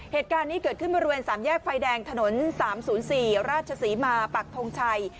เหตุการณ์นี้เกิดขึ้นบริเวณ๓แยกไฟแดงถนน๓๐๔ราชศรีมาปักทงชัย